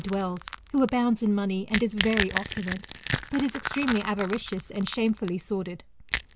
dwells, who abounds in money, and is very opulent ; but he is extremely avaricious, and shamefully sordid.